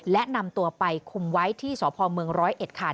และนำตัวไปคุมไว้ที่สพเมืองร้อยเอ็ดค่ะ